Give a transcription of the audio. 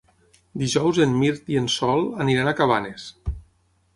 Dijous en Mirt i en Sol aniran a Cabanes.